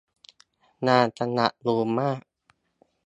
งานจะหนักอยู่มาก